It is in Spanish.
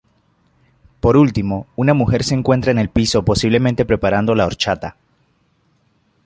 Por último, una mujer se encuentra en el piso posiblemente preparando la horchata.